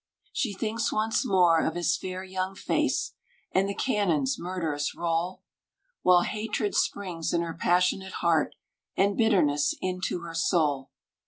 She thinks once more of his fair young face, And the cannon's murderous roll, While hatred springs in her passionate heart, And bitterness into her soul.